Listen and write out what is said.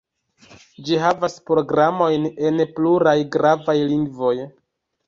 Ĝi havas programojn en pluraj gravaj lingvoj.